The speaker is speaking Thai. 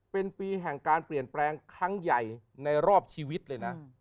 เป็นปีแห่งการเปลี่ยนแปลงครั้งใหญ่ในรอบชีวิตเลยนะ